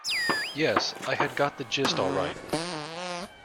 Yes, I had got the gist all right.